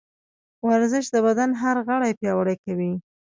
ورزش د بدن هر غړی پیاوړی کوي.